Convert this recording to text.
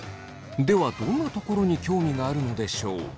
ではどんなところに興味があるのでしょう。